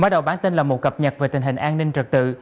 bắt đầu bản tin là một cập nhật về tình hình an ninh trật tự